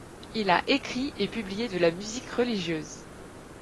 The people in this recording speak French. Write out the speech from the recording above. Il a écrit et publié de la musique religieuse.